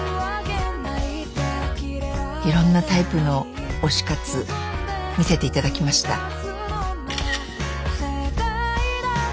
いろんなタイプの推し活見せて頂きました。